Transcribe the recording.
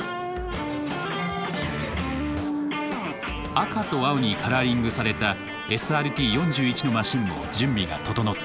赤と青にカラーリングされたＳＲＴ４１のマシンも準備が整った。